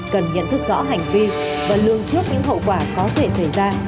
cần nhận thức rõ hành vi và lương trước những hậu quả có thể xảy ra